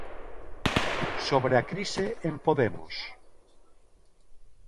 Sobre a crise en Podemos.